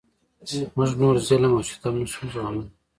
موږ نور ظلم او ستم نشو زغملای.